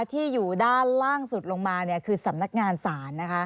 ที่อยู่ด้านล่างสุดลงมาคือสำนักงานศาล